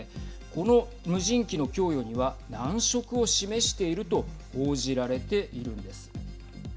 この無人機の供与には難色を示していると報じられているんです。